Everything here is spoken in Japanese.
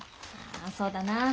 あそうだな。